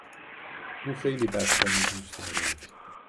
او خیلی بستنی دوست دارد.